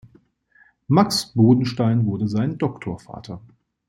Max Bodenstein wurde sein Doktorvater.